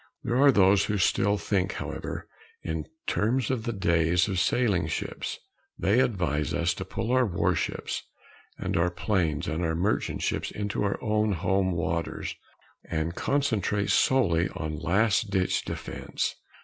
There are those who still think, however, in terms of the days of sailing ships. They advise us to pull our warships and our planes and our merchant ships into our own home waters and concentrate solely on last ditch defense.